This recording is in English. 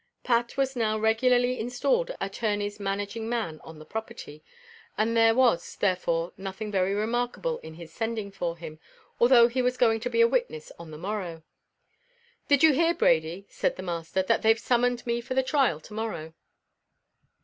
Pat was now regularly installed as the attorney's managing man on the property, and there was therefore nothing very remarkable in his sending for him, although he was going to be a witness on the morrow. "Did you hear, Brady," said the master, "that they've summoned me for the trial to morrow?"